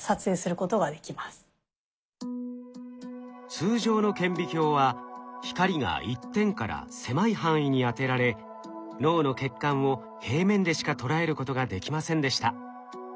通常の顕微鏡は光が一点から狭い範囲に当てられ脳の血管を平面でしか捉えることができませんでした。